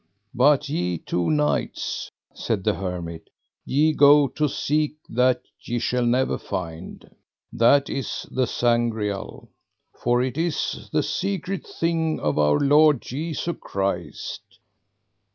But ye two knights, said the hermit, ye go to seek that ye shall never find, that is the Sangreal; for it is the secret thing of our Lord Jesu Christ.